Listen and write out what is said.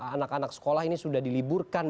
anak anak sekolah ini sudah diliburkan